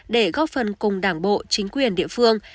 để góp phần cùng đảng bộ chính quyền địa phương